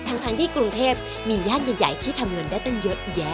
ทั้งที่กรุงเทพมีย่านใหญ่ที่ทำเงินได้ตั้งเยอะแยะ